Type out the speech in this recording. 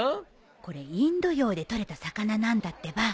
これインド洋で取れた魚なんだってば。